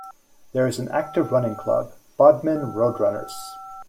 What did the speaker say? There is an active running club: Bodmin RoadRunners.